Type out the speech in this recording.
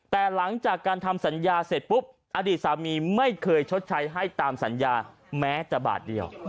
แต่หลังจากการทำสัญญาเสร็จปุ๊บอดีตสามีไม่เคยชดใช้ให้ตามสัญญาแม้แต่บาทเดียว